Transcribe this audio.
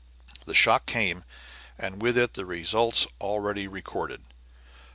The shock came, and with it the results already recorded.